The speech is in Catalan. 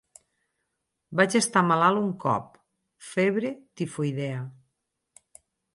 Vaig estar malalt un cop, febre tifoidea.